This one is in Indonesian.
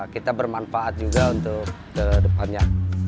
kita bermanfaat juga untuk kedepannya